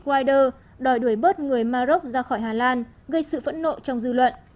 ông kikweder đòi đuổi bớt người maroc ra khỏi hà lan gây sự phẫn nộ trong dư luận